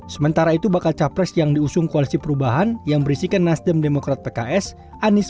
sementara itu bakal capres yang diusung koalisi perubahan yang berisikan nasdem demokrat pks anies